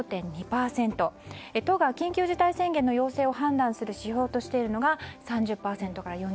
都が緊急事態宣言の要請を判断する指標としているのが３０％から４０％。